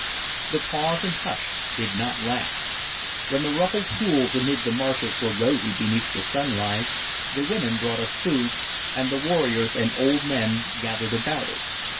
The pause and hush did not last. When the ruffled pools amid the marshes were rosy beneath the sunrise, the women brought us food, and the warriors and old men gathered about us.